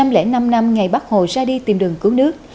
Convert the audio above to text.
để năm năm ngày bắt hồ ra đi tìm đường cứu nước